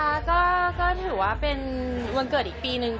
ก็ดีนะคะก็ถือว่าเป็นวันเกิดอีกปีหนึ่ง